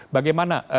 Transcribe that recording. bagaimana bapak nasional